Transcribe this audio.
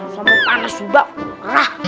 sampe panas juga